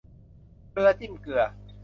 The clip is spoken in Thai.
เกลือจิ้มเกลือ